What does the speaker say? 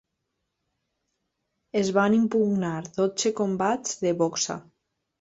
Es van impugnar dotze combats de boxa.